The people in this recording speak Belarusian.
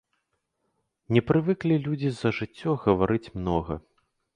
Не прывыклі людзі за жыццё гаварыць многа.